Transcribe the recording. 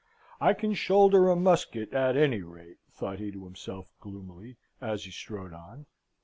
"I can shoulder a musket at any rate," thought he to himself gloomily, as he strode on.